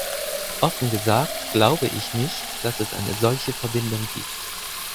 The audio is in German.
Offen gesagt, glaube ich nicht, dass es eine solche Verbindung gibt.